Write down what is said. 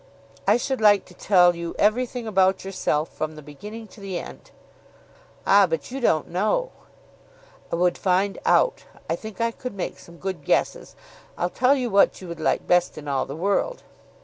"I should like to tell you everything about yourself, from the beginning to the end." "Ah, but you don't know." "I would find out. I think I could make some good guesses. I'll tell you what you would like best in all the world."